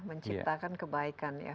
menciptakan kebaikan ya